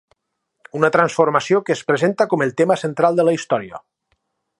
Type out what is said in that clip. Una transformació que es presenta com el tema central de la història.